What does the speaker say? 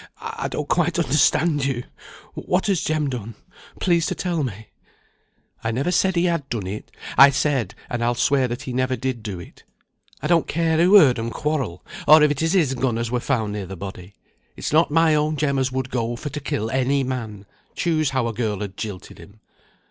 I don't quite understand you. What has Jem done? Please to tell me." "I never said he had done it. I said, and I'll swear that he never did do it. I don't care who heard 'em quarrel, or if it is his gun as were found near the body. It's not my own Jem as would go for to kill any man, choose how a girl had jilted him.